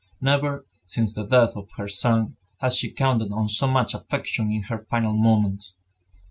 Never, since the death of her son, had she counted on so much affection in her final moments.